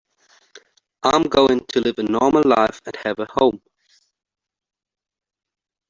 I'm going to live a normal life and have a home.